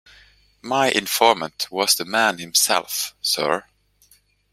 My informant was the man himself, sir.